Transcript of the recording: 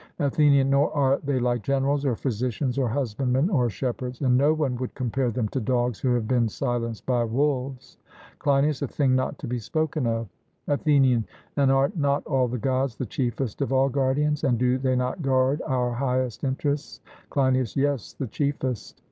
ATHENIAN: Nor are they like generals, or physicians, or husbandmen, or shepherds; and no one would compare them to dogs who have been silenced by wolves. CLEINIAS: A thing not to be spoken of. ATHENIAN: And are not all the Gods the chiefest of all guardians, and do they not guard our highest interests? CLEINIAS: Yes; the chiefest.